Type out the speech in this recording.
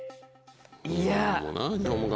いや。